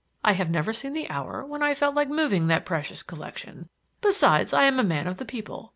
I have never seen the hour when I felt like moving that precious collection. Besides, I am a man of the people.